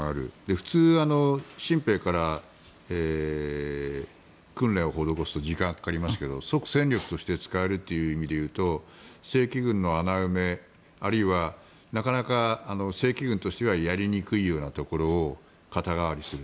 普通、新兵から訓練を施すと時間がかかりますけど即戦力として使えるという意味でいうと正規軍の穴埋めあるいはなかなか正規軍としてはやりにくいようなところを肩代わりする。